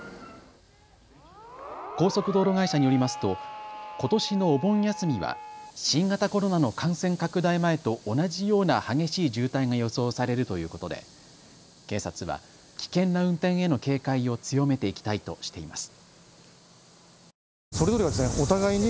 高速道路会社によりますとことしのお盆休みは新型コロナの感染拡大前と同じような激しい渋滞が予想されるということで警察は危険な運転への警戒を強めていきたいとしています。